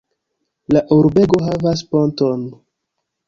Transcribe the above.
La urbego havas ponton.